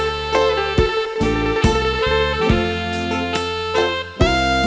มคจนมค